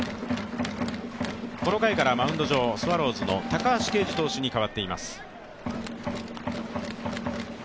この回からマウンド上、スワローズの高橋奎二投手に代わっています。